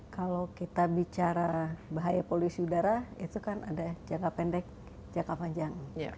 kalau kita bicara bahaya polusi udara itu kan ada jangka pendek jangka panjang